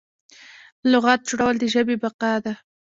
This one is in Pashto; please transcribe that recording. لغت جوړول د ژبې بقا ده.